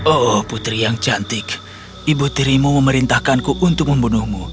oh putri yang cantik ibu tirimu memerintahkanku untuk membunuhmu